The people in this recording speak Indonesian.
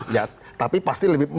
ya tapi pasti lebih